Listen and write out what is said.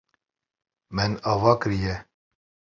Min ava kiriye.